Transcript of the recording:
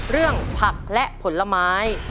เรื่องผักและผลไม้